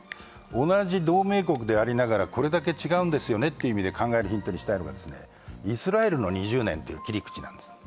同じ同盟国でありながらこれだけ違うんですねと考えたいのはイスラエルの２０年という切り口なんです。